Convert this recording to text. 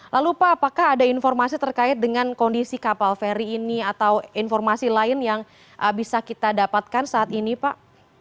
lalu pak apakah ada informasi terkait dengan kondisi kapal feri ini atau informasi lain yang bisa kita dapatkan saat ini pak